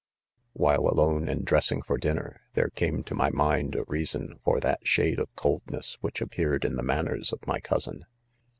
/* While/ alone and dress ing for dinner, then came to, my , mind a reason for that shade of coldness, which appeared in the manners of my .cousin.